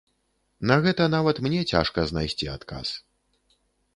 На гэта нават мне цяжка знайсці адказ.